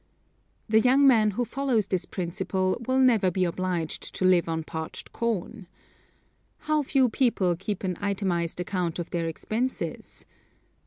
The young man who follows this principle will never be obliged to live on parched corn. How few people keep an itemized account of their expenses.